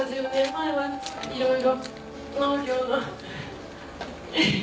いろいろ。